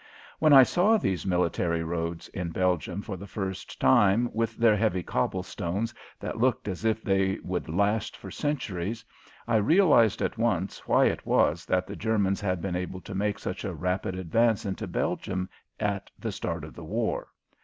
When I saw these military roads in Belgium for the first time, with their heavy cobblestones that looked as if they would last for centuries, I realized at once why it was that the Germans had been able to make such a rapid advance into Belgium at the start of the war.